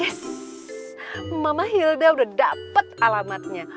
yes mama hilda udah dapet alamatnya